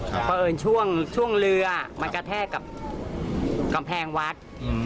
เพราะเอิญช่วงเรือมันกระแทกกับกำแพงวัด